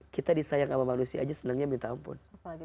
kita disayang sama manusia aja senangnya minta ampun